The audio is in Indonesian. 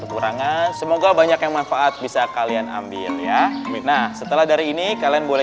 kekurangan semoga banyak yang manfaat bisa kalian ambil ya nah setelah dari ini kalian boleh